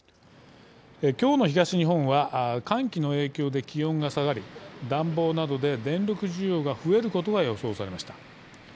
きょうの東日本は寒気の影響で気温が下がり暖房などで電力需要が増えることが予想されました。